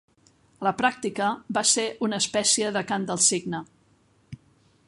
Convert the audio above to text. A la pràctica, va ser una espècie de cant del cigne.